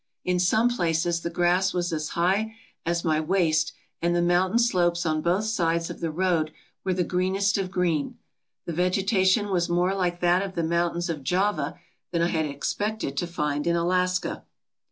In some places the grass was as high as my waist and the mountain slopes on both sides of the road were the greenest of green. The vegeta tion was more like that of the mountains of Java than I had expected to find in Alaska.